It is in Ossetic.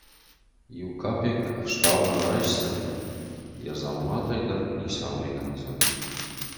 Иу капекк ӕфстау нӕ райсдзӕн, йӕ дзауматӕй дӕр ницы ауӕй кӕндзӕн.